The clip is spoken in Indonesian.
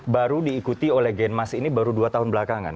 baru diikuti oleh genmas ini baru dua tahun belakangan